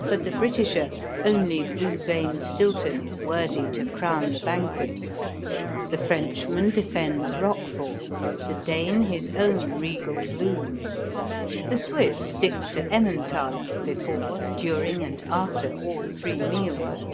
For the Britisher only blue veined Stilton is worthy to crown the banquet. The Frenchman defends Roquefort, the Dane his own regal Blue; the Swiss sticks to Emmentaler before, during and after all three meals.